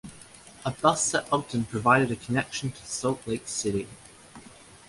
A bus at Ogden provided a connection to Salt Lake City.